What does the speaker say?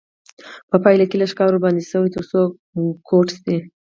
په پایله کې لږ کار ورباندې شوی تر څو کوټ شي.